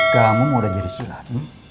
kamu mau dari silat